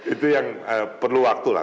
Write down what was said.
itu yang perlu waktu lah